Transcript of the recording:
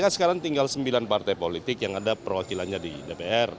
sekarang tinggal sembilan partai politik yang ada perwakilannya di dpr